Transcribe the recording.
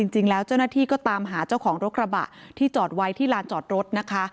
จริงแล้วเจ้าหน้าที่ก็ตามหาเจ้าของรถกระบะที่จอดไว้ที่ลานจอดรถนะคะ